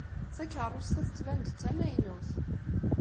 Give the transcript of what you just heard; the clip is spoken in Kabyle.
Takeṛṛust-a tettban-d d tamaynut.